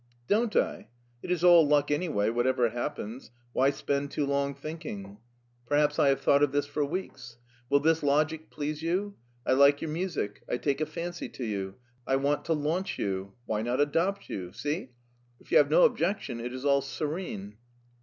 "Don't I? It is all luck an)rway, whatever hap pens; why spend too long thinking? Perhaps I have X04 LEIPSIC 105 thought of this for weeks. Will this logic please you? I like your music, I take a fancy to you, I want to launch you. Why not adopt you ? See? If you have no objection, it is all serene."